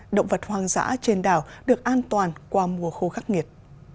động vật hoang dã trên đảo được an toàn qua mùa khô khắc nghiệt